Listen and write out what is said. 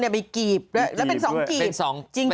เนี่ยมีกีบเดี๋ยวเป็นสองกีบ